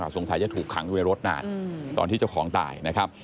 สงสัยจะถูกขังอยู่ในรถนานตอนที่เจ้าของตายนะครับ